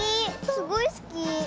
すごいすき。